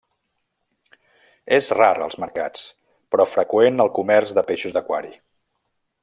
És rar als mercats però freqüent al comerç de peixos d'aquari.